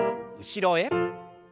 後ろへ。